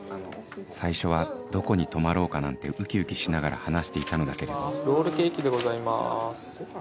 最初はどこに泊まろうかなんてウキウキしながら話していたのだけれどロールケーキでございます。